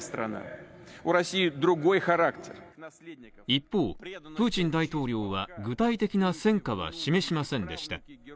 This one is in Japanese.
一方、プーチン大統領は具体的な戦果は示しませんでした。